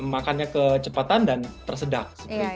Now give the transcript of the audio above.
makannya kecepatan dan tersedak